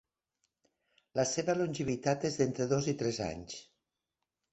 La seva longevitat és d'entre dos i tres anys.